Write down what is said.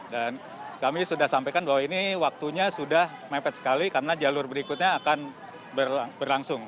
dan kami sudah sampaikan bahwa ini waktunya sudah mepet sekali karena jalur berikutnya akan berlangsung